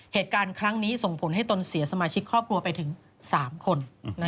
เหตุการณ์ครั้งนี้ส่งผลให้ตนเสียสมาชิกครอบครัวไปถึง๓คน